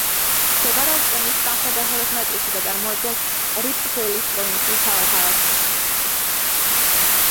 მდებარეობს კენიის სამხრეთ-დასავლეთ ნაწილში და წარმოადგენს რიფტ-ველის პროვინციის მთავარ ქალაქს.